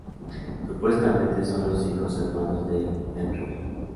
Supuestamente, son los hijos o hermanos de Fenrir.